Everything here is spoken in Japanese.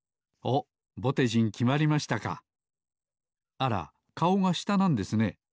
あらかおがしたなんですね。